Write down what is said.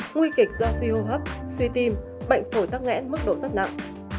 nguy kịch do suy hô hấp suy tim bệnh phổi tắc nghẽn mức độ rất nặng